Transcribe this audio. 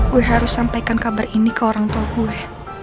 gue harus sampaikan kabar ini ke orang tua gue